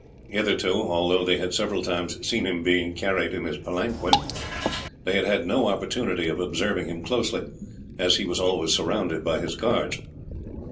Hitherto, although they had several times seen him being carried in his palanquin, they had had no opportunity of observing him closely, as he was always surrounded by his guards.